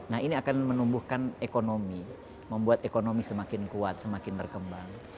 nah ini akan menumbuhkan ekonomi membuat ekonomi semakin kuat semakin berkembang